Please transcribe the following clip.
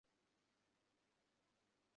তার হৃদয় কোমল।